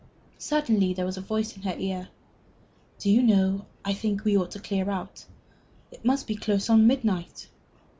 Suddenly there was a voice in her ear. "Do you know, I think we ought to clear out. It must be close on midnight."